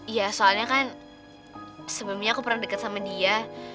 ya soalnya kan sebelumnya aku pernah deket sama dia